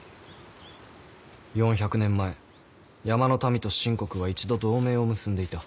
４００年前山の民と秦国は一度同盟を結んでいた。